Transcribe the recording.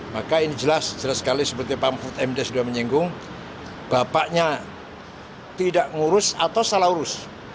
maka ini jelas jelas sekali seperti pak mahfud md sudah menyinggung bapaknya tidak ngurus atau salah urus